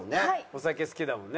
お酒好きだもんね。